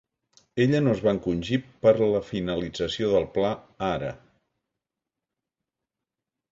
Ella no es va encongir per la finalització del pla ara.